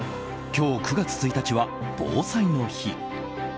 今日、９月１日は防災の日。